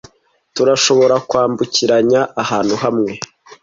turashobora kwambukiranya ahantu hamwe